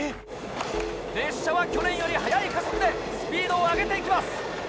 列車は去年より早い加速でスピードを上げていきます。